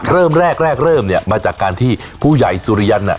เริ่มแรกแรกเริ่มเนี่ยมาจากการที่ผู้ใหญ่สุริยัน